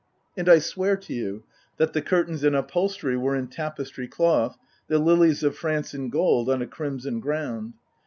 And I swear to you that the curtains and upholstery were in tapestry cloth, the lilies of France in gold on a crimson ground.